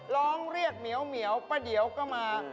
ร้องเรียกเหมียวป้าเดี๋ยวก็มา